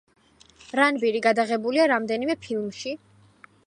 რანბირი გადაღებულია რამდენიმე ფილმში.